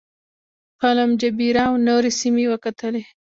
پالم جبیره او نورې سیمې وکتلې.